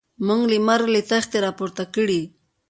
موږ له مرګ له تختې را پورته کړي.